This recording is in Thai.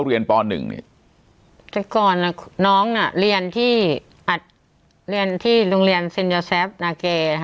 เรียนป๑นี่น้องน่ะเรียนที่เรียนที่โรงเรียนซินเยอร์แซฟนาเกย์